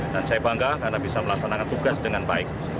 dan saya bangga karena bisa melaksanakan tugas dengan baik